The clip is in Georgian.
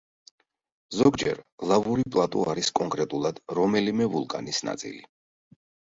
ზოგჯერ, ლავური პლატო არის კონკრეტულად რომელიმე ვულკანის ნაწილი.